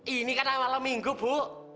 ini kan malam minggu bu